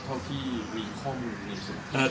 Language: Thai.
เท่ากับที่มีข้อมูลในของ